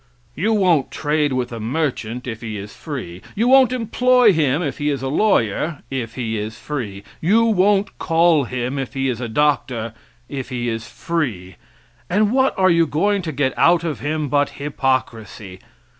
You won't trade with a merchant, if he is free; you won't employ him if he is a lawyer, if he is free; you won't call him if he is a doctor, if he is free; and what are you going to get out of him but hypocrisy.